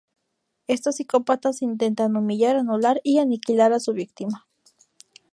Estos psicópatas intentan humillar, anular, y aniquilar a su víctima.